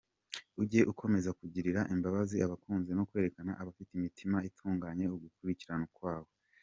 Ujye ukomeza kugirira imbabazi abakuzi, No kwereka abafite imitima itunganye gukiranuka kwawe.